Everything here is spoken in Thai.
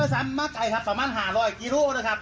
กับลูนาออกมาคุยกับเราค่ะเห็นใจพวกเราด้วยเถิดค่ะครับ